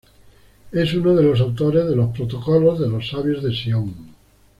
Es uno de los autores de Los protocolos de los sabios de Sion.